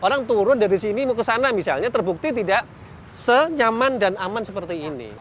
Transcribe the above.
orang turun dari sini mau ke sana misalnya terbukti tidak senyaman dan aman seperti ini